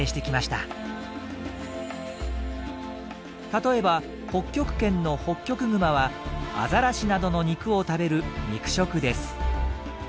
例えば北極圏のホッキョクグマはアザラシなどの肉を食べる肉食です。